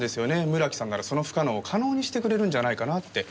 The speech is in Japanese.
村木さんならその不可能を可能にしてくれるんじゃないかなって。